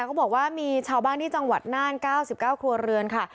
เขาบอกว่ามีชาวบ้านที่จังหวัดน่าน๙๙ครัวเรือนค่ะ